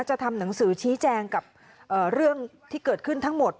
ทำหนังสือชี้แจงกับเรื่องที่เกิดขึ้นทั้งหมด